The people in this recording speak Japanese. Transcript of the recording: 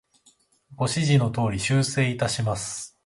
ご指示の通り、修正いたします。